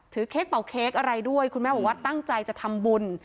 เค้กเป่าเค้กอะไรด้วยคุณแม่บอกว่าตั้งใจจะทำบุญ